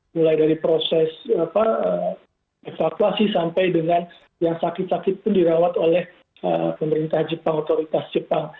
mulai dari proses evakuasi sampai dengan yang sakit sakit pun dirawat oleh pemerintah jepang otoritas jepang